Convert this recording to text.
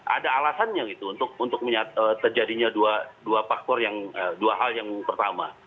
ada alasannya gitu untuk terjadinya dua faktor yang dua hal yang pertama